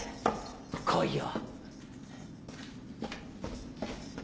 来いよ。